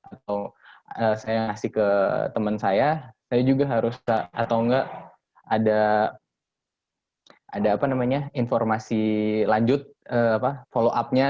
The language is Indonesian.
atau saya kasih ke teman saya saya juga harus atau enggak ada informasi lanjut follow up nya